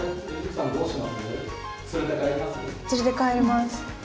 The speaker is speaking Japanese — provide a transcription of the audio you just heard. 連れて帰ります。